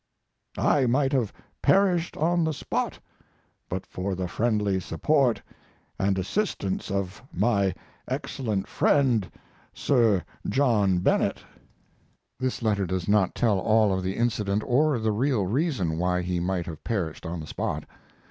I might have perished on the spot but for the friendly support and assistance of my excellent friend, Sir John Bennett. This letter does not tell all of the incident or the real reason why he might have perished on the spot.